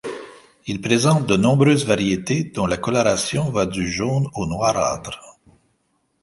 Il présente de nombreuses variétés dont la coloration va du jaune au noirâtre.